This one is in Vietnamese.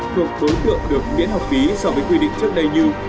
thuộc đối tượng được miễn học phí so với quy định trước đây như